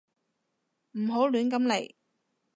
唔好亂咁嚟